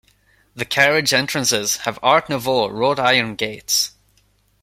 The carriage entrances have Art Nouveau wrought-iron gates.